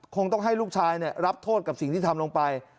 คงต้องให้ลูกชายรับโทษกับสิ่งที่ทำลงไป